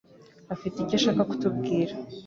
afite icyo ashaka kutubwira.